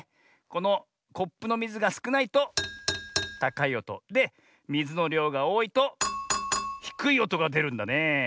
このコップのみずがすくないとたかいおと。でみずのりょうがおおいとひくいおとがでるんだねえ。